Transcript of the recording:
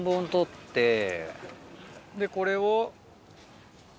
でこれを。